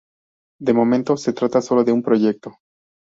De momento, se trata sólo de un proyecto.